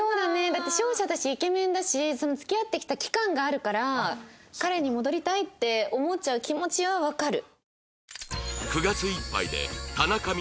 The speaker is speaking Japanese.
だって商社だしイケメンだし付き合ってきた期間があるから彼に戻りたいって思っちゃう気持ちはわかる！